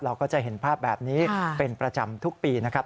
เราก็จะเห็นภาพแบบนี้เป็นประจำทุกปีนะครับ